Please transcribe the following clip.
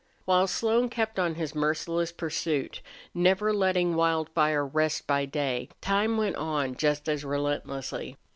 While Slone kept on his merciless pursuit, never letting Wildfire rest by day, time went on just as relentlessly.